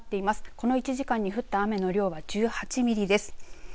この１時間に降った雨の量は１８ミリです。